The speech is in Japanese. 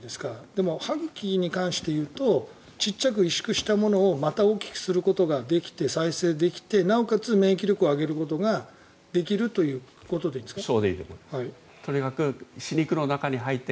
でも、歯茎に関していうとちっちゃく萎縮したものをまた大きくすることができて再生できてなおかつ、免疫力を上げることができるということでいいんですか？